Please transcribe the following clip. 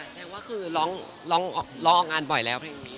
แสดงว่าคือร้องออกงานบ่อยแล้วเพลงนี้